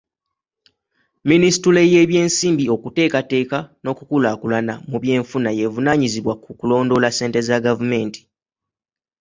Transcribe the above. Minisitule y'ebyensimbi, okuteekateeka n'okukulaakulana mu byenfuna y'evunaanyizibwa ku kulondoola ssente za gavumenti.